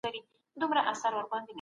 انسان په امن کې ژوند کوي.